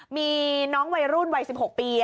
มีน้องวัยรุ่นวัย๑๖ปี